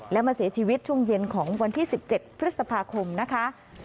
และมาเสียชีวิตช่วงเย็นของวันที่๑๗พฤษภาคมนะคะ